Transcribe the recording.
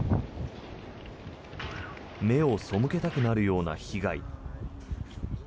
目を背けたくなるような被害。